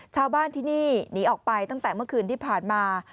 ชาวบ้านที่นี่หนีออกไปตั้งแต่เมื่อคืนที่ผ่านมา